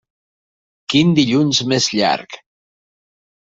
Quin dilluns més llarg!